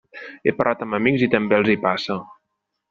He parlat amb amics i també els hi passa.